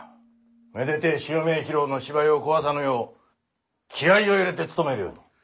めでてえ襲名披露の芝居を壊さぬよう気合いを入れて務めるように。